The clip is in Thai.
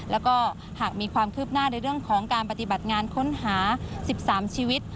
แล้วก็หากมีความคืบหน้าในเรื่องของการปฏิบัติงานค้นหา๑๓ชีวิต